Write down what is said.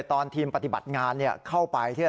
ตอนทีมปฏิบัติงานเข้าไป